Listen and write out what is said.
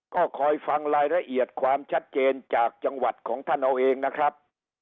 ก็คอยฟังรายละเอียดความชัดเจนจากจังหวัดของท่านเอาเองนะครับ